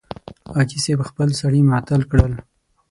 حاجي صاحب خپل سړي معطل کړل.